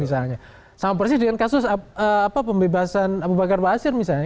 sama persis dengan kasus pembebasan abu bakar basir misalnya